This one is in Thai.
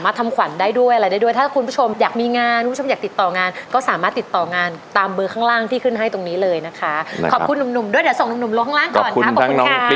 ฝากไว้กับฉันนะหัวใจของเธอและเบอร์โทร